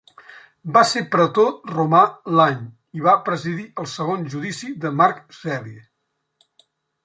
Va ser pretor romà l'any i va presidir el segon judici de Marc Celi.